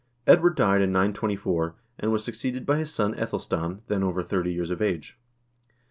Edward died in 924, and was succeeded by his son iEthel stan, then over thirty years of age.